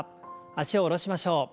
脚を下ろしましょう。